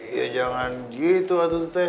ya jangan gitu atau teh